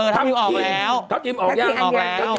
ทัพทิมออกแล้วทัพทิมออกอย่างนี้